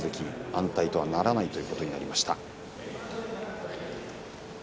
安泰とはならないということになりました。